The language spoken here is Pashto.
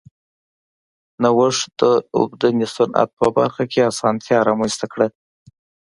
نوښت د اوبدنې صنعت په برخه کې اسانتیا رامنځته کړه.